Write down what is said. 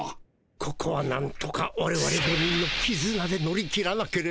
ここはなんとかわれわれ５人のきずなで乗り切らなければ。